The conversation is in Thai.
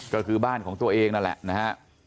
ก็คือบ้านของตัวเองนั่นแหละนะฮะ